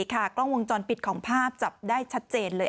กล้องวงจรปิดของภาพจับได้ชัดเจนเลย